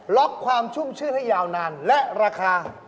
ความชุ่มชื่นให้ยาวนานและราคา